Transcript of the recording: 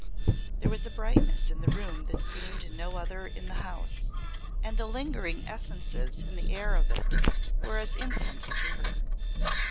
There was a brightness in the room that seemed in no other in the house, and the lingering essences in the air of it were as incense to her.